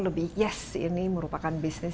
lebih yes ini merupakan bisnis